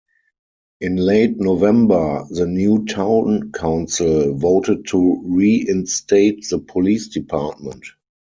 In late November, the new town council voted to reinstate the police department.